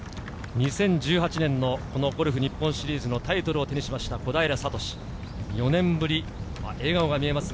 ２０１８年のゴルフ日本シリーズのタイトルを手にした小平智、笑顔が見えます。